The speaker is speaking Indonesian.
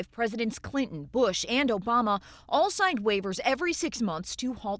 presiden clinton bush dan obama semua menandatangani wawasan setiap enam bulan